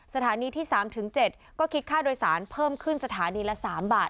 สถานีที่๓๗ก็คิดค่าโดยสารเพิ่มขึ้นสถานีละ๓บาท